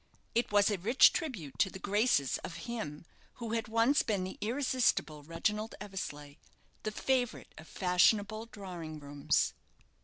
It was a rich tribute to the graces of him who had once been the irresistible Reginald Eversleigh, the favourite of fashionable drawing rooms.